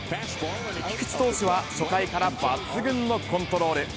菊池投手は初回から抜群のコントロール。